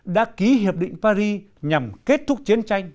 đã ký hiệp định paris nhằm kết thúc chiến tranh